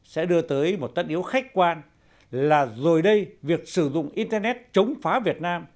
sẽ đưa tới một tất yếu khách quan là rồi đây việc sử dụng internet chống phá việt nam